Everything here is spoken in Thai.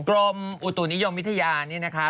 กรมอุตุนิยมวิทยานี่นะคะ